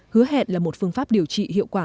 hứa hẹn là một phương pháp điều trị hiệu quả